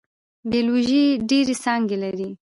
بیولوژي ډیرې څانګې لري